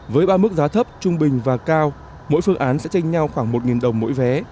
với ba mức giá thấp trung bình và cao mỗi phương án sẽ tranh nhau khoảng một đồng mỗi vé